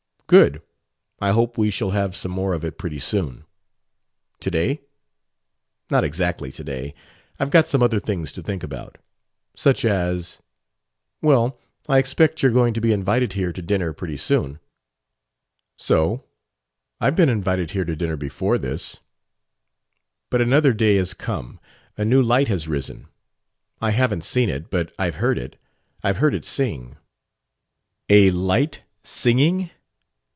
"Good. I hope we shall have some more of it pretty soon." "To day?" "Not exactly to day. I've got some other things to think about." "Such as?" "Well, I expect you're going to be invited here to dinner pretty soon?" "So? I've been invited here to dinner before this." "But another day has come. A new light has risen. I haven't seen it, but I've heard it. I've heard it sing." "A light singing?